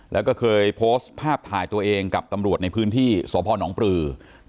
แล้วก็เคยโพสต์ภาพถ่ายตัวเองกับตำรวจในพื้นที่สพนปลือ